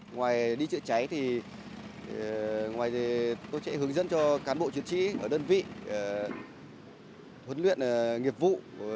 ngoài đi chữa cháy thì ngoài tôi sẽ hướng dẫn cho cán bộ chiến sĩ ở đơn vị huấn luyện nghiệp vụ